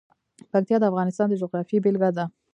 پکتیا د افغانستان د جغرافیې بېلګه ده.